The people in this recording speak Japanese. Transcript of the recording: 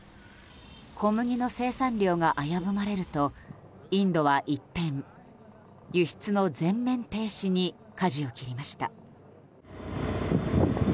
小麦の生産量が危ぶまれるとインドは一転輸出の全面停止にかじを切りました。